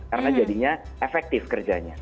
karena jadinya efektif kerjanya